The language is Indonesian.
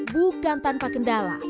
bukan tanpa kendala